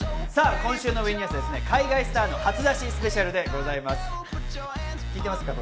今週のＷＥニュース、海外スターの初出しスペシャルです。